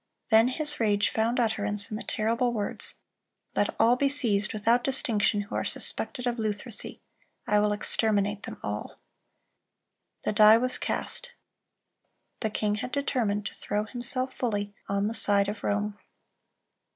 Then his rage found utterance in the terrible words: "Let all be seized without distinction who are suspected of Lutheresy. I will exterminate them all."(336) The die was cast. The king had determined to throw himself fully on the side of Rome.